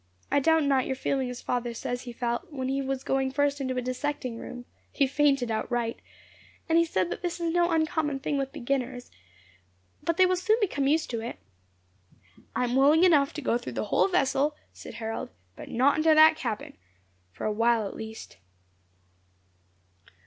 I doubt not you are feeling as father says he felt when going first into a dissecting room he fainted outright; and he said that this is no uncommon thing with beginners, but they soon become used to it." "I am willing enough to go through the whole vessel," said Harold, "but not into that cabin, for a while at least."